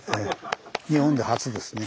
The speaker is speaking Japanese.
日本で初ですね。